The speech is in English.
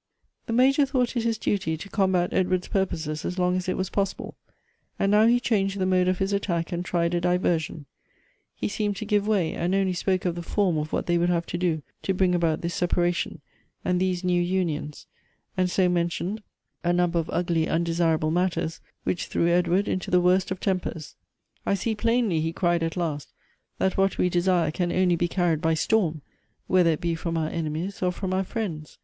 I The Major thought it his duty to combat Edward's I pur]ioses as long as it was possible ; and now he changed the mode of his attack and tried a diversion. He seemed to give way, and only spoke of the fonn of what they would have to do to bring about this separation, and these new unions ; and so mentioned a number of ugly, Elective Affinities. 271 undesirable matters, which threw Edward into the worst of tempers. " I see plainly," he cried at last, " that what we desire can only be carried by storm, whether it be from our enemies or from our friends.